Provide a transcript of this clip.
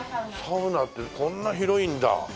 サウナってこんな広いんだ。